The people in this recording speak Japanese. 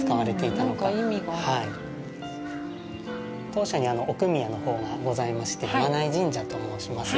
当社に奥宮のほうがございまして、眞名井神社と申します。